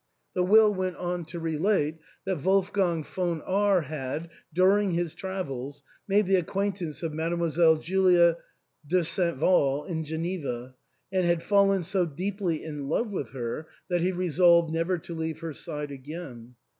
The will went on to relate that Wolfgang von R had, during his travels, made the acquaintance of Mdlle. Julia de St. Val in Geneva, and had fallen so deeply in love with her that he resolved never to leave her side again.